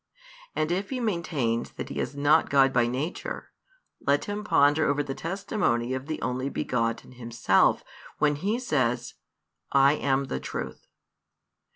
And if he maintains that He is not God by nature, let him ponder over the testimony of the Only begotten Himself, when He says, I am the Truth.